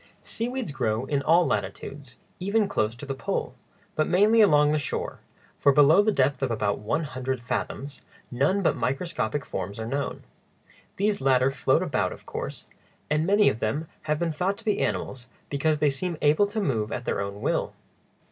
Seaweeds grow in all latitudes, even close to the pole, but mainly along the shore, for below the depth of about one hundred fathoms none but microscopic forms are known. These latter float about, of course, and many of them have been thought to be animals because they seem able to move at their own will.